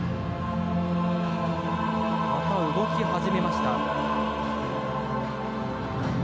動き始めました。